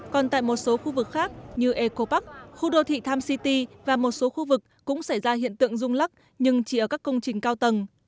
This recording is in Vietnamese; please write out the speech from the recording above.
còn tại một số khu vực khác như eco park khu đô thị times city và một số khu vực cũng xảy ra hiện tượng rung lắc nhưng chỉ ở các công trình cao tầng